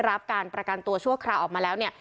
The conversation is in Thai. รับการประกันตัวชั่วคราวออกมาแล้วเนี่ย